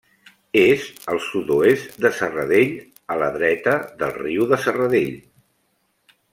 És al sud-oest de Serradell, a la dreta del riu de Serradell.